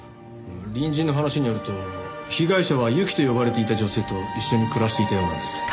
隣人の話によると被害者はユキと呼ばれていた女性と一緒に暮らしていたようなんです。